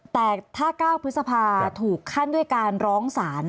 แต่ถ้า๙พฤษภาถูกขั้นด้วยการร้องศาล